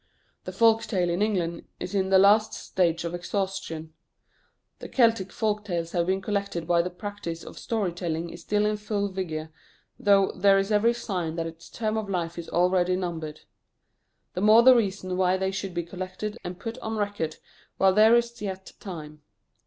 The folk tale in England is in the last stages of exhaustion. The Celtic folk tales have been collected while the practice of story telling is still in full vigour, though there is every sign that its term of life is already numbered. The more the reason why they should be collected and put on record while there is yet time.